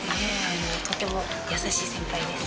とても優しい先輩です。